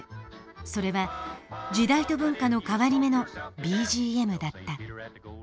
それは時代と文化の変わり目のＢＧＭだった。